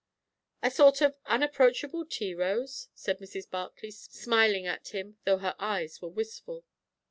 "A sort of unapproachable tea rose?" said Mrs. Barclay, smiling at him, though her eyes were wistful.